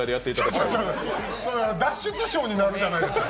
ちょちょそれは脱出ショーになるじゃないですか！